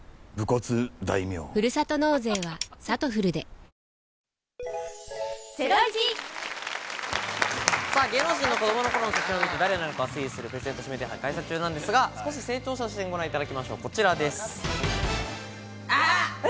丕劭蓮キャンペーン中芸能人の子どもの頃の写真を見て誰なのかを推理するプレゼント指名手配を開催中なんですが、少し成長した写真を見てみましょう、こちらです。